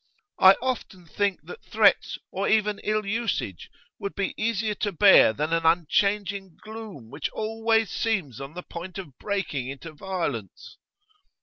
'I often think that threats, or even ill usage, would be easier to bear than an unchanging gloom which always seems on the point of breaking into violence.